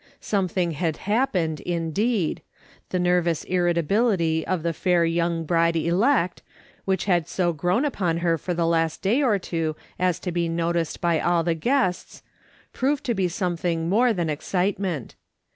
Something had happened, indeed. The nervous irritability of the fair young bride elect, which had so grown upon her for the last day or two as to be noticed by all the guests, proved to be something more than excitement.